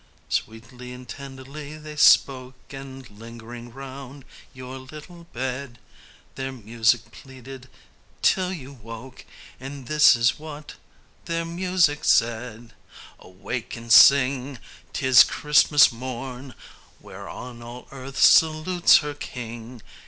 Sweetly and tenderly they spoke, And lingering round your little bed, Their music pleaded till you woke, And this is what their music said: "Awake and sing! 'tis Christmas morn, Whereon all earth salutes her King!